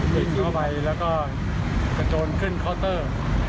ลิงเข้าไปแล้วกระโจรขึั้นขอร์เตอร์